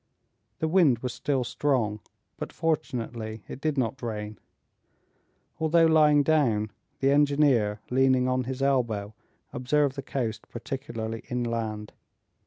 The wind was still strong, but fortunately it did not rain. Although lying down, the engineer, leaning on his elbow, observed the coast, particularly inland.